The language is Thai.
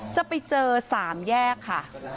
จะไปเจอ๓แยกค่ะ